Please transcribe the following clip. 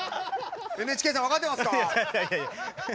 ＮＨＫさん分かってますか？